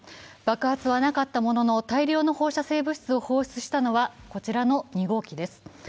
爆発はなかったものの大量の放射性物質を放出したのは２号機です。